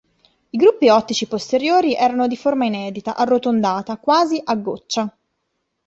I gruppi ottici posteriori erano di forma inedita, arrotondata, quasi "a goccia".